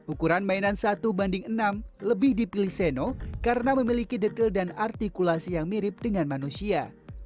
ukuran mainan satu banding enam lebih dipilih seno karena memiliki detail dan artikulasi yang mirip dengan manusia